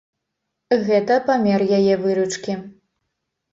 Гэта памер яе выручкі.